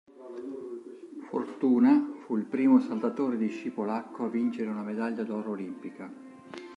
Fortuna fu il primo saltatore di sci polacco a vincere una medaglia d'oro olimpica.